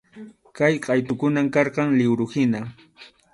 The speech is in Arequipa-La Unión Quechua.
Kay qʼaytukunam karqan liwruhina.